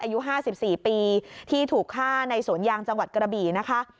อายุ๕๔ปีที่ถูกฆ่าในสวนยางจังหวัดกระบี่นะคะ